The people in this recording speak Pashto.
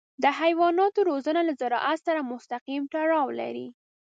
د حیواناتو روزنه له زراعت سره مستقیم تړاو لري.